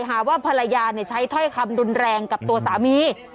หาว่าภรรยาใช้ถ้อยคำรุนแรงกับตัวสามี